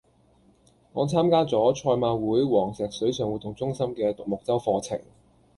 我參加咗賽馬會黃石水上活動中心嘅獨木舟課程。